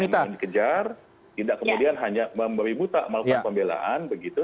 ketika ada yang ingin dikejar tidak kemudian hanya membuta maupun pembelaan begitu